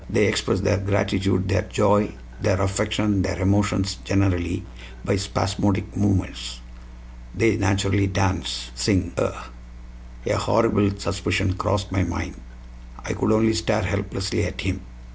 They express their gratitude, their joy, their affection, their emotions generally, by spasmodic movements? They naturally dance sing eh?" A horrible suspicion crossed my mind; I could only stare helplessly at him.